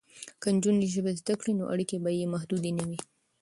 که نجونې ژبې زده کړي نو اړیکې به یې محدودې نه وي.